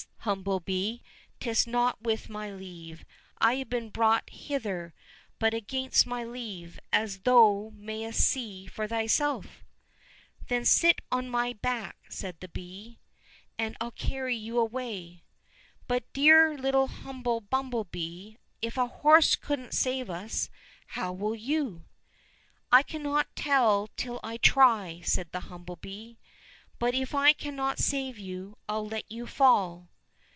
little humble bumble bee, 'tis not with my leave I have been brought hither, but against my leave, as thou mayst see for thyself." —" Then sit on my back," said the bee, " and I'll carry you away." —" But, dear little humble bumble bee, if a horse couldn't save us, how will you ?"—" I cannot tell till I try," said the humble bee. " But if I cannot save you, I'll let you fall."